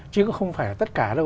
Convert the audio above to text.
chứ không phải là tất cả đâu